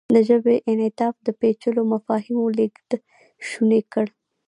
د ژبې انعطاف د پېچلو مفاهیمو لېږد شونی کړ.